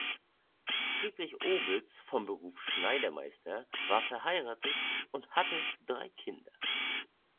Friedrich Opitz, von Beruf Schneidermeister, war verheiratet und hatte drei Kinder.